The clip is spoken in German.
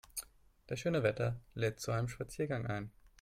Das schöne Wetter lädt zu einem Spaziergang ein.